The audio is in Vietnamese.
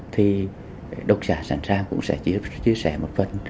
thì đọc giả sẵn sàng cũng sẽ chiếm